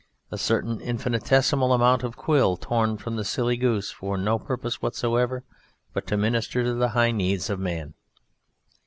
A certain infinitesimal amount of quill torn from the silly goose for no purpose whatsoever but to minister to the high needs of Man.